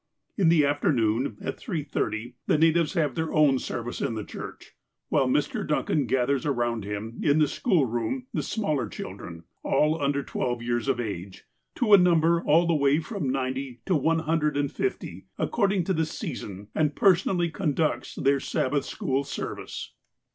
In the afternoon, at 3 : 30, the natives have their own service in the church, while Mr. Duncan gathers around him, in the schoolroom, the smaller children, all under twelve years of age, to a number all the way from ninety to one hundred and fifty, according to the season, and personally conducts their Sabbath school service.